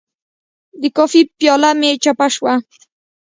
د کافي پیاله مې چپه شوه.